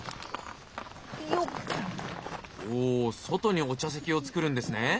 外にお茶席を作るんですね。